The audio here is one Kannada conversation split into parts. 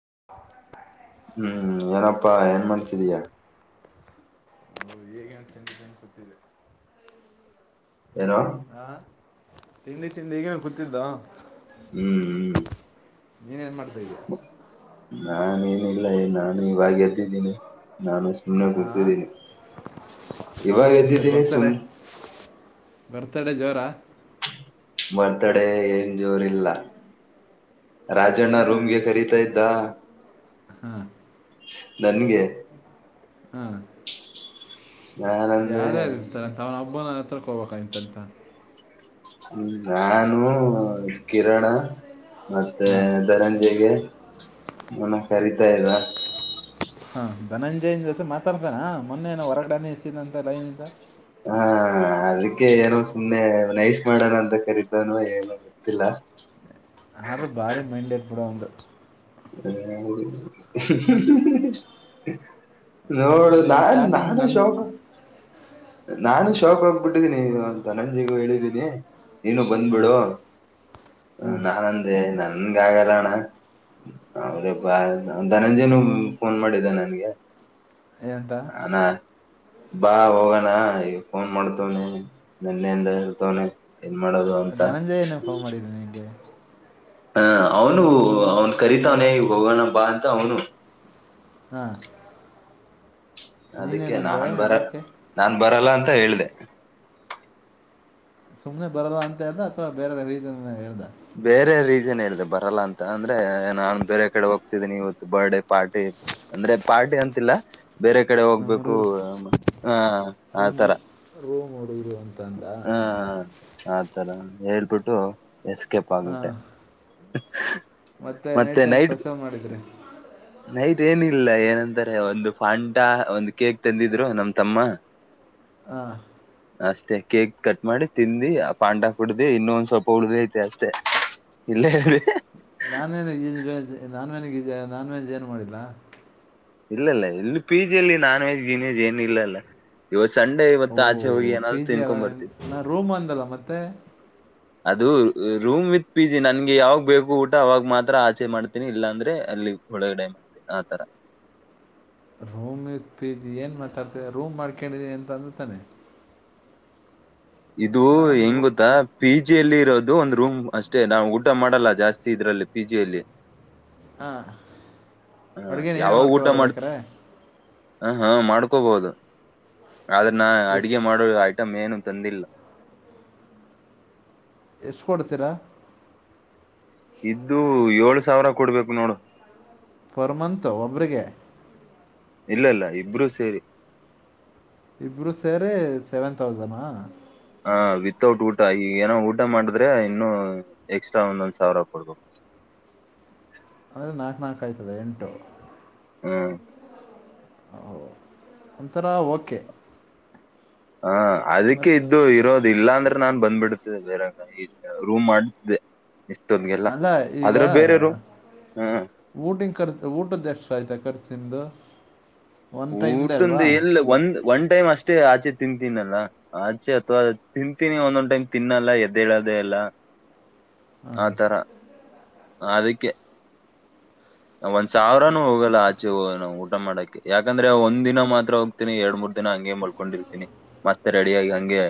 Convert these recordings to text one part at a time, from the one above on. [inaudible] ಹ್ಮ್ ಏನಪ್ಪಾ ಏನ್ ಮನಸಿದಯಾ [inaudible] ಏನೋ ಹಾ ತಿಂಡಿ ತಿಂಡಿ ಈಗೇನು ಕೂತಿದ್ದ ಹ್ಮ್ ಹ್ಮ್ ನೀನ್ ನ್ ಮಾಡ್ತೀಿ ಶರಿ ನಾನೇನಿಲ್ಲ ನಾನು ಇವಾಗ ಎದ್ದಿದ್ದೀನಿ ನಾನುಷ್ಟ ಸುಮನ ಹಾ ಗೂತಿದ್ದ ಇವ ವ್ದಿದ್ದಿ ನೀ ಸುಮ ಬರ್ತಡೇ ಜೋರ ಬರ್ತಡೇ ಎಏಂಜೋರಿಲ್ಲ ರಾಜಣ್ಣ ರೂಮ್ಗೆ ಕರೀತಾ ಇದ್ದ ಹಾ ನನ್ಗೆ ನಾನಂದೆ ಯಾರ್ಯಾರ ಇರ್ತಾರೆ ಅಂತ ಅವನ ಹಬ್ಬನ ರ್ಕೋಬೇಕಂತಂತ ಹ್ಮ ನಾನು ಕಿರಣ ಮತ್ತೆ ಹಾಂ ಧನಂಜೆಗೆ ಹನ ಕರತಾ ಇದಾ ಹಾ ಧನಂಜಯನ್ ಜೊತೆ ಮಾತಾಡ್ತಾನ ಮೊನ್ನೆನೋ ಹೊರಗಡೆನೇ ಇರ್ತಿದ ಅಂತ ಲೈನಿಂದ ಹಾ ಅದಕ್ಕೆ ಏನೋ ಸುಮ್ಮ್ನೆ ನೈಸ್ ಮಾಡೋಣ ಅಂತ ಕರೀತನು ಏನು ಗೊತ್ತಿಲ್ಲ ಹಾರ ಭಾರಿ ಮೈಂಡೆಡ್ ಬಂದ್ [inaudible] ನೋ ನಾನ್ ನಾನ ಸ್ಟಾರ್ಟಿಂಗ್ ಅನ್ ಶೋಕ ನಾನು ಶೋಕ್ ಹೋಗ್ಬಿಟ್ಟಿದ್ದೀನಿ ಅಂತ ನಂಜಿಗೂ ಹೇಳಿದ್ದೀನಿ ನೀನು ಹಾಂ ಬಂದ್ಬಿಡುುವ ಹ್ಮ ಹಾಂ ನಾನಂದೆ ನನ್ಗೆ ಆಾಗಲ್ಲಣ್ಣ ಅವ್ರೇಬಾ ಧನಂಜಯನ ಫೋನ್ ಮಾಡಿದ್ದ ನನ್ಗೆ ಏನಂತ ಅದ ಬಾ ಹೋಗೋಣ ಈಗ ಫೋನ್ ಮಾಡ್ತವನನೆ ನೆನ್ನೆಯಿಂದ ಹೇಳ್ತವನನೆ ಏನ್ ಮಾಡೋದು ಅಂತ ಧನಂಜಯನೇ ಫೋನ್ ಮಾಡಿದ್ದೀನಿ ನಿನಗೆ ಹಾ ಅವನು ಅವ್ನು ಕರೀತವನೇ ಈ ಹೋಗೋಣ ಬಾ ಅಂತ ಅವನು ಹಾ ಅದಕ್ಕೆ ನಾನ್ ಬರ ಅದಕ್ಕೆ ನಾನ್ ಬರಲ್ಲ ಅಂತ ಹೇಳ್ದ ಸುಮನೆ ಬರದ ಅಂತ ಹೇಳ್ದ ಅಥವಾ ಬೇರೆ ರೀನ್ ಹೇಳ್ದ ನ್ ಹೇಳಿದೆ ಬರಲ್ಲ ಅಂತ ಅಂದ್ರೆ ನಾನನ್ ಬೇರೆ ಕಡೆ ಹೋಗ್ತಿದ್ದೀನಿ ಇವತ್ತು ಬರ್ಡೇ ಪಾರ್ಟಿ ಅಂದ್ರೆ ಪಾರ್ಟಿ ಅಂತಿಲ್ಲ ಬೇರೆ ಕಡೆ ನಮ್ಮ ಹೋಗ್ಬೇಕು ಹುಡುಗರು ಹ ಆ ತರ ಮೂಡ ಹ್ಮ ಹದು ತರ ಹೇಳ್ಬಿಟ್ಟು ಎಸ್ಕ ಪಂಗಟ್ಟ ಹ ಮತ್ತೆ ನೈಟ್ ಟೈಮ್ ಸ್ಪೆಷಲ್ ಮಾಡಿದ್ರಿ ನೈಟ್ ಏನಿಲ್ಲ ಏನಂತಾರೆ ಒಂದು ಪಾಂಟಾ ಒಂದ್ ಕೇಕ್ ತಂದಿದ್ರು ನಮ ತಮ್ಮ ಹಾಂ ಅಷ್ಟೇ ಕೇಕ್ ಕಟ್ ಮಾಡಿ ತಿಿಂದಿ ಆ ಪಾಂಟಾ ಕುಡ್ದ ಇನ್ನೊ ಒಂದ್ ಸ್ವಲ್ಪ ಉಳ್ದ ಐತಿ ಅಷ್ಟೆ ಇಲ್ಲ ಹೇಳಿ ನಾನ್ನ ವ್ ನಾನ್ವೆನಿಗೆ ನಾನ್ವೆಜ್ ಏನು ಮಾಡಿಲ್ಲ ಇಲ್ಲ ಇಲ್ಲ ಇಲ್ಲಿ ಪಿ ಜಿಲ್ಲಿ ನಾನ್ ವೆಜ್ ಜನ್ವೆಜ್ ಏನು ಇಲ್ಲಲ್ಲ ಇವತ್ತು ಸಂಡೇ ಇವತ್ತು ಓ ಹೋಗಿ ಪಿ ಏನಾದ್ರು ಜಿ ಅಲ್ಲ ತಿನ್ಕೊಂಡ್ ಬರ್ತೀವಿ ನ ರೂಮ್ ಅಂದಲ್ಲ ಮತ್ತೆ ಅದು ರೂಮ್ ವಿತ್ ಪಿ ಜಿ ನನ್ಗೆ ಯಾವಾಗ ಬೇಕು ಊಟ ಅವಾಗ ಮಾತ್ರ ಆಚೆ ಮಾಡ್ತೀನಿ ಇಲ್ಲಾ ಅಂದ್ರೆ ಅಲ್ಲಿ ಒಳಗಡೆ ಮಾಡ್ತಿ ಆತರ ರೂಮ್ ಇ ಏನ್ ಮಾತಾಡ್ತ ರೂಮ್ ಮಾಡ್ಕೊಂಡಿದಿ ಅಂತ ಅಂದು ತಾನೆ ಇದು ನಾನು ಹೆಂಗ ರೂ ಗೊತ್ತಾ ಪೀಜ ಪಿ ಜಿಯಲ್ಲಿ ಇರೋದು ಒಂದು ರೂಮ್ ಅಷ್ಟೇ ನಾವು ಊಡ್ಡ ಮಾಡಲ್ಲ ಜಾಸ್ತಿ ಇದ್ರಲ್ಲಿ ಪಿಜಿಯಲ್ಲಿ ಹಾಂ ಅಡುಗೆ ನೀವೇ ಯಾವಾಗ ಊಟ ಮಾಡ್ಕೊಬೋದು ಮಾಡ್ತ ಬೇಕ್ರೆ ಹ ಹಾ ಮಾಡ್ಕೋಬಹದು ಆದ್ರೆ ನ ಅಡಗೆ ಎಷ್ಟು ಮಾಡೋ ಐಟಮ್ ಏನು ತಂದಿಲ್ಲ ಎಷ್ಟ ಕೊಡ್ತೀರಾ ಇದ್ದು ಏಳ್ು ಸಾವಿರ ಕೊಡ್ಬೇಕು ನೋಡು ಫರ್ ಮಂತು ಒಬ್ಬರಿಗೆ ಇಲ್ಲ ಇಲ್ಲ ಇಬ್ರೂ ಸೇರಿ ಇಬ್ರು ಸೇರಿ ಸೆವೆನ್ ತೌಸನ್ಾ ಹಾ ವಿತೌಟ್ ಊಟ ಈಗ ಏನೋ ಊಟ ಮಾಡಿದ್ರೆ ಇನ್ನು ಎಕ್ಸ್ಟ್ರಾ ಒಂದೊಂದ್ ಸಾವಿರ ಕೊಡ್ಬೇಕ ಅಂದರೆ ನಾಲ್ಕು ನಾಲ್ಕು ಆಯ್ತದೆ ಎಂಟು ಹ್ಮ್ ಒಂಥರ ಓಕೆ ಹಾ ಅದಕ್ಕೆ ಮತ್ತು ಇದ್ದು ಇರೋದು ಅ ಇಲ್ಲಾಂದ್ರೆ ನಾನ್ ಬಂದ್ಬಿಡ್ತೆ ಬೇರೆ ರೂಮ್ ಮಾಡತಿದ್ದೆ ಅಲ್ಲ ಈಗ ಹ ಊಟನ್ ಕರ್ಚ ಊಟದ್ದ ಎಷ್ಟ ಆಯ್ತ ಕಖರ್ಸ್ದು ಊಟಂದು ಎಲ್ಲ ಒಂದ ಒನ್ ಟೈಮ್ ಅಷ್ಟೇ ಆಚೆ ತಿಂತೀನಲ್ಲ ಆಚೆ ಅಥವಾ ತಿಂತೀನಿ ಒಂದೊಂದ್ ಟೈಮ್ ತಿನ್ನಲ್ಲ ಎದ್ದ ಹೇಳದೆ ಎಲ್ಲ ಆತರ ಅದಕ್ಕೆ ಒಂದ್ ಸಾವಿರಾನೂ ಹೋಗಲ್ಲ ಆಚೆ ನ ಊಟ ಮಾಡಕ ಯಾಕಂದ್ರೆ ಒಂದ್ ದಿನ ಮಾತ್ರ ಹೋಗ್ತೀನಿ ಎರಡ್ ಮೂರ್ ದಿನ ಹಂಗೆ ಮಲ್ಕೊಂಡಿರ್ತೀನಿ ಮಸ್ತ್ ರೆಡಿಯಾಗಿಿ ಹಂಗೆ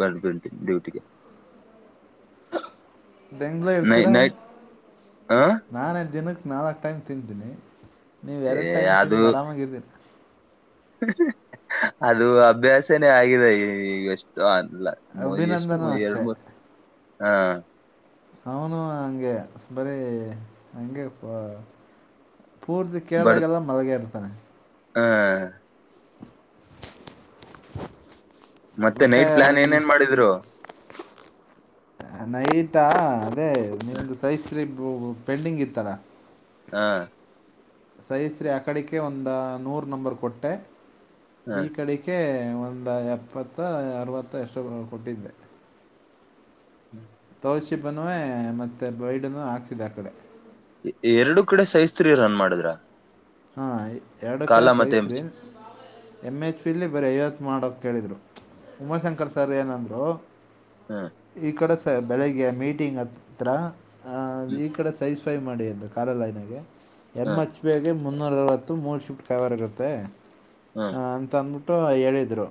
ಬರ್ಬಳ್ತೀನಿ ಡ್ಯೂಟಿಗೆ ಹೆಂಗ್ ನೈ ಹೇಳ್ತೀರಾ ನೈಟ್ ಹ ನಾನೇ ದಿನಕ್ಕೆ ನಾಲ್ಕು ಟೈಮ್ ತಂತೀನಿ ನೀವು ಎರಡು ಟೈಮ್ ಅದು ತಿಂದು ಆರಾಮಾಗಿದ್ದೀನ ಅದು ಅಭ್ಯಾಸನೇ ಆಗಿದೆ ಈ ಈಗಷ್ಟು ಅ ಇಲ್ಲ ಮ ಎಷ್ಟು ಅಭಿನಂದನೂ ಎರಡು ಅಷ್ಟೇ ಮೂರು ಹಾ ಅವನು ಹಂಗೆ ಬರೀ ಹಂಗೆ ಪೂರ್ತಿ ಕೇಳಳಾಗೆಲ್ಲ ಮರಗ್ಯಾರದು ಸ ಹಾ ಮತ್ತೆ ನೈಟ್ ಪ್ಲಾನ್ ಏನೇನ್ ಮತ್ತು ಮಾಡಿದ್ರು ನೈಟಾ ಅೇ ಹ ನಿಮ್ದು ಸಹಸ್ತ್ರಿೀ ಪೆಂಡಿಂಗ್ ಇರ್ತರ ಹಾ ಸಹಸ್ರೀ ಆ ಕಡೆಕ್ಕೆ ಒಂದು ನೂರು ನಂಬರ್ ಕೊಟ್ಟೆ ಈ ಕಡೆಿಕ ಒಂದು ಎಪ್ಪತ್ತ ಅರರುವತ್ತ ಎಷ್ಟು ಕೊಟ್ಟಿದ್ದೆ ಹ್ಮ್ ತೌಶಿಪ್ನ್ನು ಮತ್ತೆ ಬೈಡ್ನ್ನು ಹಾಕ್ಸಿದೆ ಆ ಕಡೆ ಎರಡು ಕಡೆ ಸಹಸ್ತ್ರಿ ರನ್ ಮಾಡಿದ್ರ ಹಾ ಎರಡು ಕಡೆ ಕಾಲ ಸೈ ಮತ್ತೆ ಎಂಬ ರೀ ಎಮ್ ಎಚ್ ಪಿಲಿ ಬರೀ ಐವತ್ತು ಮಾಡಕ್ಕೆ ಕೇಳಿದ್ರು ಉಮಾಶಂಕರ್ ಸರ್ ಏನಂದ್ರು ಹ್ಮ್ ಇಕಡ ಬೆಳಗ್ಗೆ ಮೀಟಿಂಗ್ ಹತ್ರ [unintelligible] ಹ ಹ್ಮ್ ಈ ಕಡೆ ಸೈಜ್ [unintelligible] ೈ ಮಾಡಿ ಅಂದ್ರೆ ಕ ಕಾರಲ್ಲಗೆ [unintelligible] ಎಮ್ ಹ್ಮ್ ಎಚ್ ಪಗೆ [unintelligible] ಮುನ್ನೂರರವತ್ತು ಮೂರು ಶಿಫ್ಟ್ ಕೈವರ್ ಇರುತ್ತೆ [unintelligible] ಹ್ಮ್ ಹ ಅಂತ ಅಂದ್ಬಿಟ್ಟು [unintelligible] ಹೇಳಿದ್ರು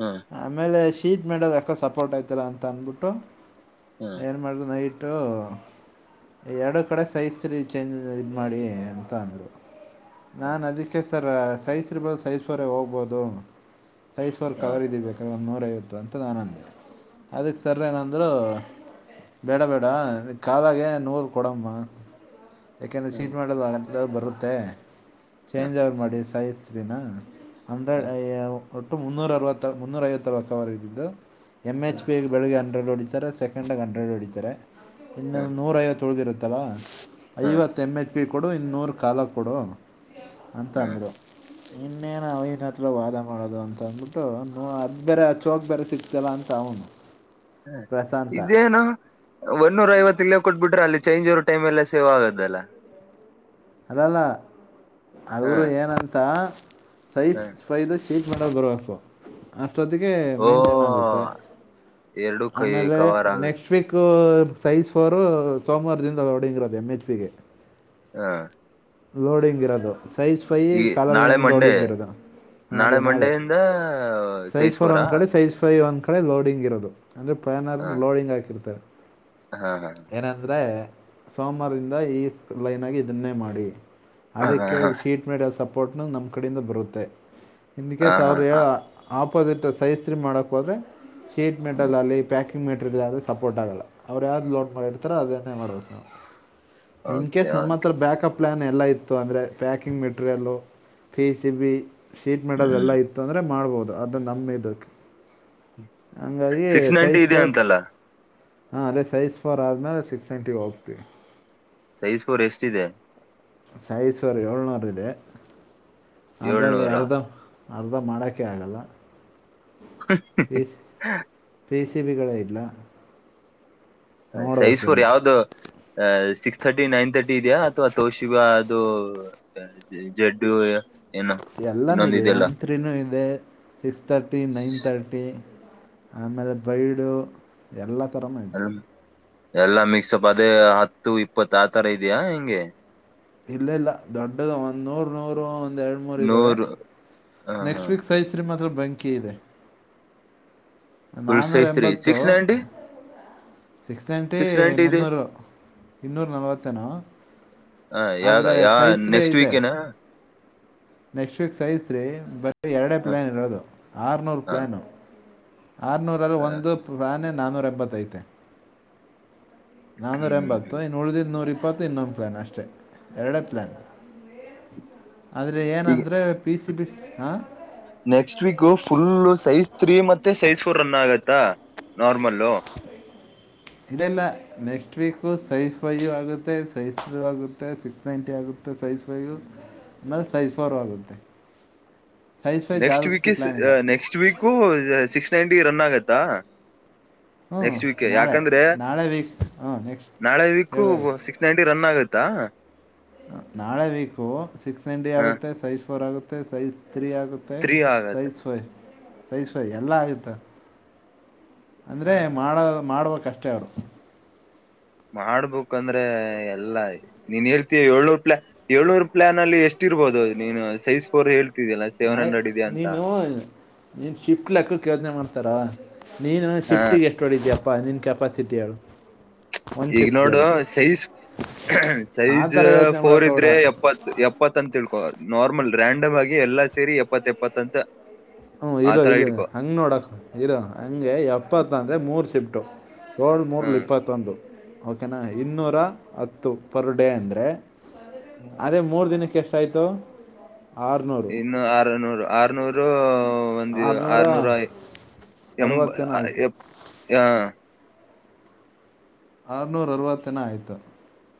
ಹ್ಮ್ ಆಮೇಲೆ [unintelligible] ಟ್ರೀಟ್ ಮಾಡದು ಯಾಕೋ ಸುಪ್ಲೋರ್ಟ್ ಆಯ್ತಲ್ಲ ಅಂತ ಅಂದ್ಬಿಟ್ಟು ಹ್ಮ್ ಹ್ಮ್ [unintelligible] ಏನ್ ಮಾಡುದು ನೈಟ್ [unintelligible] ಬಟ್ಟು ಎರಡು ಕಡೆ ಸೈಜೀ ಚೇಂಜ್ ಇದು ಮಾಡಿ ಅಂತ ಅಂದರು [unintelligible] ನಾನ್ ಅದಕ್ಕೆ [unintelligible] ಸರ್ ಸೈಜ ಇರ್ಬೋದು ಸೈಜ್ವರೆ ಹೋಗ್ಬೋದು [unintelligible] ಸೈಸ್ ವರ್ ಹ್ಮ್ ಕವರ್ ಇದ್ದರ್ಬೇಕ [unintelligible] ನೂರ ಐವತ್ತು ಅಂತ ನಾನು ಅಂದೆ ಅದಕ್ಕೆ ಸರ ಏನಂದರೂ ಬೇಡ ಬೇಡ ಕಾಲಾಗೆ ನೂರು ಕೊಡಮ್ಮ [unintelligible] ಯಾಕಂದ ಸೀ ಹ್ಮ್ ಹ್ಮ್ ಹ್ಮ್ ಮಾಡೋದಲ್ಲ [unintelligible] ದ ಬರುತ್ತ [unintelligible] ತ್ತೆ [unintelligible] ಚೇಂಜ್ ಆ ಅವ್ರ ಮಾಡಿ [unintelligible] ಸಾಯಸರಿನ [unintelligible] ಹಂಡ್ರೆಡ್ ಹ್ಮ್ ಐಯಾವ್ [unintelligible] ಒಟ್ಟು ಮುನ್ನೂರ ಅರರುವತ್ತು ಮುನ್ನೂರೈಐವತ್ತುರುವ ಕ ಅವರ ಇದ್ದಿದ್ದು [unintelligible] ಎಮ್ ಎಚ್ ಹ್ಮ್ ಪಿಗೆ ಬೆಳಗ್ಗೆ [unintelligible] ಹಂಡ್ರೆಡ್ ಹೊಡಿತಾರೆ ಸೆಕೆಂಡಾಗಿ ಹಂಡ್ರೆಡ್ ಹೊಡಿತಾರೆ [unintelligible] ಇನ್ನೊಂದು ನೂರ ಐವತ್ತು ತೊಳ್ದಿರುತ್ತೆ [unintelligible] ಅಥವಾ [unintelligible] ಹ್ಮ್ ಐವತ್ತ ಎಂಬ ಎತ್ತು [unintelligible] ಕೊಡು ಇನ್ನೂರು ಕಾಲಕ್ಕೆ [unintelligible] ಕೊಡೋಣ [unintelligible] ಅಂತ ಹ್ಮ್ ಅಂದರು [unintelligible] ಇನ್ನೇನು ಅವಹನ ಹತ್ರಿ ವಾದ ಮಾಡೋದು ಅಂತ ಅಂದ್ಬಿಟ್ಟು ಅದು ಬೇರೆ ಅ ಚೋಕ್ ಬೇರೆ ಸಿಕ್ತಲ್ಲ ಅಂತ ಅವನು [unintelligible] ಹ ಪ್ರಶಾಂತ ಇದೇನು ಒನ್ನೂರ ಐವತ್ತಲ ಕೊಟ್ಬಿಟ್ಟು [unintelligible] ಅಲ್ಲಿ ಚೇಂಜ ಇರ್ರ ಟೈಮ ಎಲ್ಲ ಸೇ್ಗದಲ್ಲ [unintelligible] ಅದಲ್ಲ [unintelligible] ಹಾ ಅವರು ಏನಂತ ಹ ಸೈಜ್ಫೈದ ಸ್ [inaudible] ಚ್ ಮಾಡೋ ಬರೋ ಅಪ್ಪ ಅ ಜೊತೆಗೆ ಓ ಮೇಂಟೈನ್ ಆಗುತ್ತೆ ಎರಡು ಕೈ ಆಮೇಲೆ ಕವರ್ ಆಗುತ್ತೆ ನೆಕ್ಸ್ಟ್ ವೀಕು ಸೈಸ್ ಫಾರ ಸೋಮವಾರ ದಿಂದ ಅೋಡಿಂಗ ಎಂ ಹೆಚ್ ಪಿಿಗೆ ಹಾ ಲೋಡಿಂಗ್ ಇರೋದು ಸೈಜ್ ಫೈ ಕಾಲ ನಾಳೆ ಲೈನಿಗೆ ಮಂಡೇ ಲೋಡಿಂಗ್ ಇರೋದು ಅದೇ ನಾಳೆ ಸೈಜ್ ಫೋರ್ ಸೈಸ್ಬೋರಾ ಒಂದು ಕಡೆ ಸೈಜ್ ಫೈ ಒಂದು ಕಡೆ ಲೋಡಿಂಗ್ ಇರೋದು ಅಂದರೆ ಪ್್ಯಾನರ್ ಹ ಲೋಡಿಂಗ್ ಹಾಕಿರ್ತಾರೆ ಹಾ ಹಾ ಏನೆಂದರೆ ಸೋಮವಾರದಿಂದ ಈ ಲೈನ್ ಆಗಿ ಇದದನ್ನೇ ಮಾಡಿ ಹಾ ಅದಕ್ಕೆ ಹಾ ಶೀಟ್ ಮೇಡಲ್ ಸಪ್ಪ [inaudible] ಟ್ನಲ್ ನಮ್ಮ ಕಡೆಯಿಂದ ಬರುತ್ತೆ ಇ ಹಾ ಕೇಸ್ ಹಾ ಅವಾವ್ರರು ಹಾ ಏಳು ಆಪ್ ಇಪ್ಪಸಿಟ್ ಸೈಜಸ್್ರ ಮಾಡೋಕ್ಕೆ ಹೋದ್ರರೆ ಸ್ಟೇಟ್ ಮೆಟಲ್ ಹ್ಮ್ ಅಲ್ಲಿ ಪ್ಯಾಕ್ ಕಕ್ಕಿಂಗ್ ಮಟೀರಿಯಲ್ ಯಾ್ದೂ ಸೋರ್ಟ್ ಆಗಲ್ಲ ಅವ್ ಯಾವ್ದು ಲೋಡ್ ಮಾಡಿರ್ತಾರೆ ಅದನ್ನೇ ಮಾಡಬೇಕು ನಾವು ಕೆ ಹಾಗೆ ಪ್ಲಯಾನ್ ಎಲ್ಲ ಇತ್ತು ಅಂದ್ರೆ ಪ್ಯಾಕಿಂಗ್ ಮೆಟೀರಿಯಲ್ಲ ಫೀ ಸಿ ಬಿ ಶೀಟ್ ಮಾಡೋದ ಎಲ್ಲ ಹ್ಮ್ ಇತ್ತು ಅಂದ್ರೆ ಮಾಡ್ಬಹದು ಅದು ನಮ್ಮೆ ಇದು ಸಿಕ್ಸ್ ನೈಂಟಿ ಇದೆ ಅಂತಲ್ಲ ಹಾಂ ಅಲ್ಲೇ ಸೈಜ್ ಫೋಾರ್ ಆದ್ಮೇಲೆ ಸಿಕ್ಸ್ ಟ್ವೆಂಟಿ ಗೆ ಹೋಗ್ತೀವಿ ಸೈಜ್ ಫೋರ್ ಎಷ್ಟಿದೆ ಸಾಯ ಸರ್ ಏಳ್ನೂರ ಇದೆ ಅರ ಅದ ಏಳ್ನೂರ ಅರ್ತ ಅರ್ಧ ಮಾಡೋಕ್ಕೆ ಆಗಲ್ಲ ಹ ಜೆಸಿಬಿ ಗಳೇ ಇಲ್ಲ ಹ ಸಹಸೂರ್ ನೋಡ್ಬೇಕಿನ್ನು ಯಾವ್ದು ಅಹ ಸಿಕ್ಸ್ ತರ್ಟಿ ನೈನ್ ತರ್ಟಿ ಇದೆಯ ಅಥವಾ ತೋಶಿಕ ಅದು ಜಡ್ಡು ಏನು ಎಲ್ಲಾನೂ ಇನ್ನೊಂದ ಇದೆ ಇದೆಯಲ್ಲ ಎಮ್ ತ್ರೀೂ ಇದೆ ಸಿಕ್ಸ್ ತಥರ್ಟಿ ನೈನ್ ತರ್ಟಿ ಆಮೇಲೆ ಬೈಡು ಎಲ್ಲ ಉ ತರಮ ಅದು ಎಲ್ಲಾ ಮಿಕ್ಸಪ್ ಅದೇ ಹತ್ತು ಇಪ್ಪತ್ತು ಆತರ ಇದೆಯಾ ಹಿಂಗೆ ಇಲ್ಲ ಇಲ್ಲ ದೊಡ್ಡದು ಒಂದ್ ನೂರ್ ನೂರು ಎರಡು ಮೂರ್ ಇದಾವೆ ನೂರು ನೆಕ್ಸ್ಟ್ ವೀಕ್ ಸಹತ್್ರರಿ ಮಾತ್ರ ಬಂ. ಬಕ್ಕ ಇಿದೆ. ಫುಲ್ ನಾಾನೂರ ಸೈಜ್ ತ್ರೀ ಎಂಬತ್ತು six ninety six ninety ninety ಇದೆ ಮುನ್ನೂರು ಇನ್ನೂರ ನಲ್ವತ್ತೇನು ಹ ಯಾವ ಆದರೆ ಯಾ ಸೈಸ ರೀ ನೆಕ್ಸ್ಟ್ ಇದೆ. ವೀಕೇನಾ ನೆಕ್ಸ್ಟ್ ವೀಕ್ ಸೈಸ್ ರೀ ಬರ ಎರಡೇ ಹ ಪ್ಲ್ಾನ್ ಇರೋದು ಆರುನೂರು ಹ ಪ್ಲ್ಯಾನು. ಆರ್ನೂರಲ್ಲಿ ಒಂದು ಪ್ರಾಣಿ. ನಾನೂರ ಎಂಬತ್ತೈತೆ. ನಾನೂ ರ ಹ್ಮ್ ಎಂಬತ್ತು ಹ್ಮ್. ಇನ್ ಉಳ್ದಿದ್ ನೋ. ಇಪ್ಪತ್ತು ಇನ್ನೊಂದು ಪ್ಲ್ಯಾನ್ ಅಷ್ಟೇ ಎರಡೇ ಪ್ಲ್ಾನ್. ಆದ್ರೆ ಈಗ ಏನಂದ್ರೆ ಪಿ ಸಿ. ಸಿ ಹಾಂ. Next week full size three ಮೆ. ಮತ್ತೆ ಸೈಜ್ಫೂರ್ ರನ್ನ ಆಗತ್ತಾ. ನಾರ್ಮಲ್ಲು ಇದೆಲ್ಲ ನೆಕ್ಸ್ಟ್. ್ರೀಕು ಸೈಜ್ ಫೈಯ ಆಗುತ್ತೆ ಸೈಜ್ ೂ ಆಗುತ್ತೆ ಸಿಕ್ಸ್ ನೈಂಟಿ ಆಗುತ್ತೆ ಸೈಜ್ ಫೈಯ್ ಆಮೇಲೆ ಸೈಜ್ ಫೋರ್ ಆಗುತ್ತೆ. ಸೈಜ್ ಫೈವ್ ನೆಕ್ಸ್ಟ್ ವೀಕ ಜಾಸ್ತಿ ಪ್ಲ್ಯಾನ್ ಇಲ್ಲ next week six ninety run ಆಗತ್ತೆ. ತ್ತಾ. ಹ್ಞೂ ನೆಕ್ಸ್ಟ್ ವೀಕ್ ನಾಳೆ ಯಾಕಂದ್ರೆ ನಾಳೆ ವೀಕ್ ಹಾಂ ನೆಕ್ಸ್ಟ್ ನಾಳೆ ವೀಕು ಹೇಳು ಹೇಳು ಸಿಕ್ಸ್ ನೈಂಟಿ ರನ್ ಆಗತ್ತ. ದಾ. ನಾಳೆ ವೀಕು ಸಿಕ್ಸ್ ಎಂಟಿ ಹ ಆಗುತ್ತೆ ಸೈಜ್ ಫೋರ್ ಆಗುತ್ತೆ. ತ್ತ ಸೈಜ್. ರಿಯಗುತ್ತೆ ತ್ರೀ ಆಗತ್ತೆ ಸಹಿಸುವೆ. ಸೈ ಸೈ ಎಲ್ಲ ಆಯತ. ಅಂದ್ರೆ ಹ ಮಾಡ ಮಾಡ್ಬೇಕ. ಕಷ್ಟರು. ಮಾಡ್ಬೇಕಕ್ ಅಂದ್ರೆ ಎಲ್ಲಾ ನೀನ್ ಹೇಳ್ತೀ ಏಳ್ನೂರ್ ಪ್ಲಾನ್ ಏಳ್ನೂರ್ ಪ್ಲಯಾನ್ ಅಲ್ಲಿ ಎಷ್ಟ ಇರ್ಬೋದು ನೀ ಸೈಜ್ ಪಫೋರ್ ಹೇಳ್ತ. ಆಯ್ ನೀನು ನೀನ್ ಶಿಫ್ಟ್ ಲೆಕ್ಕ ಯೋಜನೆ ಮಾಡ್ತಿ. ತರ. ನೀನು ನ ಹ ಶಿಫ್ಟಿಗೆ ಎಷ್ಟುೊಡಿದೀೆಯ. ಪಾನೀಿನ ಕೆಪಾಾಸಿಟಿ ಅವ. ಈಗ ನೋಡು ಸೈಜ್ ಆ ಸೈಜ್ ಥರ ಯೋಚನೆ ಫೋರ್ ಮಾಡೋಕೆ ಬೇಡ ಇದ್ರೆ ಎಪ್ಪತ್ ಎಪ್ಪತ್ ಅಂತ ತಿಳ್ಕೊ ನಾರ್ಮಲ್. ಬ್ರ್ಯಾಂಡಮ್ ಆಗಿ ಎಲ್ಲಾ ಸೇರಿ ಎಪ್ಪತ್ತ ಎಪ್ಪತ್ತ ಅಂತ. ಹ್ಮ ಇರೋ ಆತರ ಇ ಇಡ್ಕೊ ಹಂಗ್ ನೋಡಕ್ ಇರೋ ಹಂಗೆ ಎಪ್ಪತ್ತ ಅಂದ್ರೆ ಮೂರ್ ಶಿಫ್ಟು. ಏಳು ಹ ಮೂರಲ್ಲಿ ಇಪ್ಪತ್ತೊಂದು. ಓಕೆನಾ ಇನ್ನೂರ ಹತ್ತು ಪರ್ ಡೇ ಅಂದರೆ ಅದೇ ಮೂರು ದಿನಕ್ಕೆ ಎಷ್ಟು ಸಾಯಿತ ಇನ್ನು ಆರ್ನೂರು ಆರ್ನೂರು ಒಂದು ಆರುನೂರ ಆರನೂರು ಎ ಅರವತ್ತೇನೋ ಆಯಿತು ಎ ಹ ಆರ್ನೂರ ಅರವತ್ತನ ಆಯ್ತು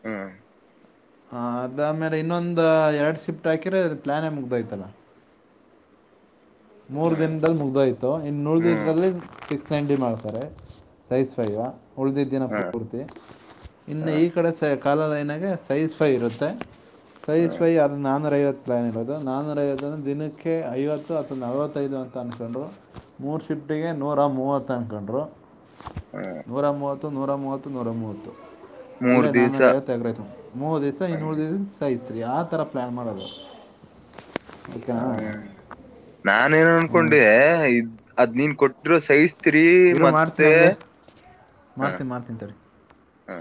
ಹ್ಮ್ ಹ ಅದ್ಮೇಲೆ ಇನ್ನೊಂದ್ ಎರಡ್ ಶಿಫ್ಟ್ ಹಾಕಿರ ಪ್ಲಾನೇ ಮುಗ್ದಯ್ತಲ್ಲ ಮೂರ್ ಹ್ಮ್ ದಿನದಲ್ಲಿ ಮುಗ್ದೋಯ್ತು ಇನ್ನು ನಳ್ದ ಹ್ಮ್ ಇದ್ರಲ್ಲಿ ಸಿಕ್ ಸೆಂಡ ಮಾಡ್ತಾರೆ ಸೈಜ್ ಫೈವಾ ಉಳಿದಿದ್ದೀಿನ ಪೂರ್ತಿ ಇನ್ನು ಹ್ಮ್ ಈ ಕಡೆ ಸಹ ಕಾಲದ ನಾಗೆ ಸೈಜ್ ಫೈ ಇರುತ್ತೆ ಹ್ಮ್ ಸೈ್ವೈ ಅದದು ನಾಾನೂರೈಐವತ್ತು ಪ್ಲ್ಯಾನ್ ಇರೋದು ನಾನುರ ಇಂದೆ ದಿನಕ್ಕೆ ಐವತ್ತು ಹತ್ತು ನಲವತ್ತೈದು ಅಂತ ಅಂದಕೊಂಡ್ರು ಮೂರು ಶಿಫ್ಟಿಗೆ ನೂರ ಮೂವತ್ತು ಅನ್ಕೊಂಡ್ರು ಹ್ಮ್ ನೂರ ಮೂವ ಹತ್ತು ನೂರ ಮೂವತ್ತು ನೂರ ಮೂವತ್ತು ಅಲ್ಲೇ ಮೂರ್ ದಿವ್ಸ ನಾಾನೂರ ಐವತ್ತು ಎಗ್ರ ಆತು ಮೂವರು ದಿವ್ಸ ಹ ಇನ್ನೂರು ದಿವ ಸೈ್ು ರಿ ಯಾವ ಥರ ಪ್ಲ್ಯಾನ್ ಮಾಡೋದು ಈಕ್ಕೆ ನಾನೇಏನ್ ಅನ್ಕೊಂಡೆ ಅದ್ ನೀನ್ ಕೊಟ್ಟಿರೋ ಸಹಿಸ ಇರೋ ಮಾಡ್ತೀನಿ ಹಂಗೆ ಮಾಡ್ತೀನಿ ಮಾಡ್ತೀನಿ ತಡಿ ಹಾ